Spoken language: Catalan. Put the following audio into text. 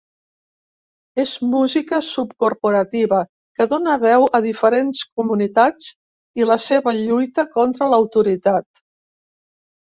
És música subcorporativa que dona veu a diferents comunitats i la seva lluita contra l"autoritat.